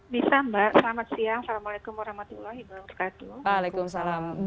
bisa mbak selamat siang assalamualaikum wr wb